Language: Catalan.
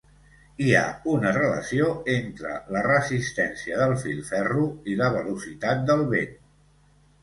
Hi ha una relació entre la resistència del filferro i la velocitat del vent.